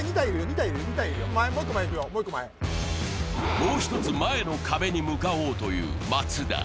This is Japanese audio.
もう一つ前の壁に向かおうという松田。